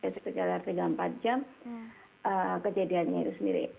sekitar tiga empat jam kejadiannya itu sendiri